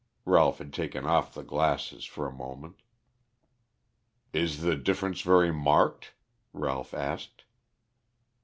Ralph had taken off the glasses for a moment. "Is the difference very marked?" Ralph asked.